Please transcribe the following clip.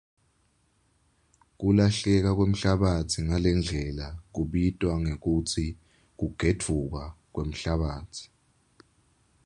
Kulahleka kwemhlabatsi ngalendlela kubitwa ngekutsi kugedvuka kwemhlabatsi.